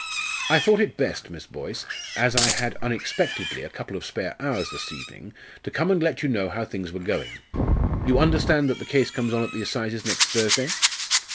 "I thought it best, Miss Boyce, as I had unexpectedly a couple of spare hours this evening, to come and let you know how things were going. You understand that the case comes on at the assizes next Thursday?"